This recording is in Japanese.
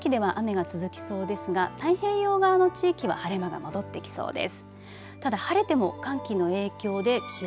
新潟や札幌など日本海側の地域では雨が続きそうですが太平洋側の地域は晴れ間が戻ってきそうです。